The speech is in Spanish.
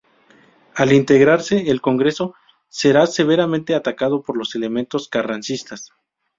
Al integrarse el Congreso, será severamente atacado por los elementos carrancistas.